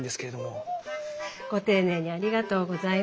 ご丁寧にありがとうございます。